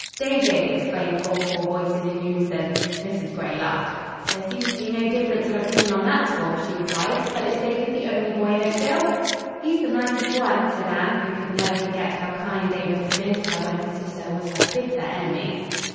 "David," exclaimed all four voices in unison. Mrs. Gray laughed. "There seems to be no difference of opinion on that score," she replied; "but is David the only boy in Oakdale?" "He's the nicest one," said Anne, who could never forget how kind David had been to her when his sister was her bitter enemy.